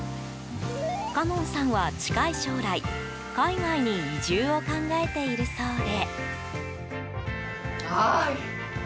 奏音さんは近い将来海外に移住を考えているそうで。